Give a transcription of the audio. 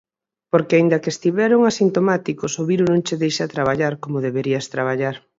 Porque aínda que estiveron asintomáticos o virus non che deixa traballar como deberías traballar.